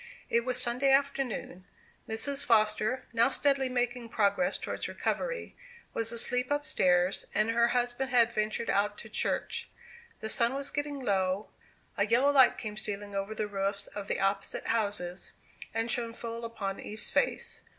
It was Sunday afternoon; Mrs. Foster, now steadily making progress towards recovery, was asleep upstairs, and her husband had ventured out to church. The sun was getting low; a yellow light came stealing over the roofs of the opposite houses, and shone full upon Eve's face.